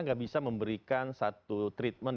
nggak bisa memberikan satu treatment